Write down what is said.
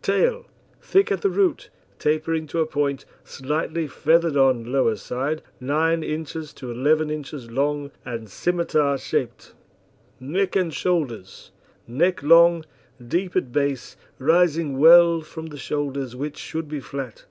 TAIL Thick at the root, tapering to a point, slightly feathered on lower side, 9 inches to 11 inches long and scimitar shaped. NECK AND SHOULDERS Neck long, deep at base, rising well from the shoulders, which should be flat.